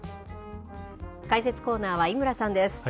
解説コーナーは井村さんです。